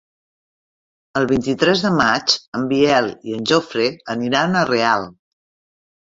El vint-i-tres de maig en Biel i en Jofre aniran a Real.